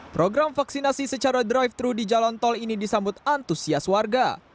program vaksinasi secara drive thru di jalan tol ini disambut antusias warga